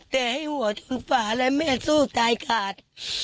แต่ให้หัวถึงฝาแล้วแม่สู้ตายขาด